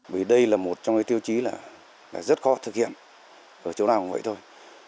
bởi đây là một trong những tiêu chí rất khó thực hiện ở chỗ nào cũng vậy thôi